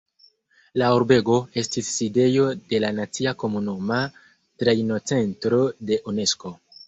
La urbego estis sidejo de la Nacia Komunuma Trejnocentro de Unesko.